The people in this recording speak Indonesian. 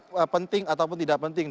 yang dianggap penting ataupun tidak penting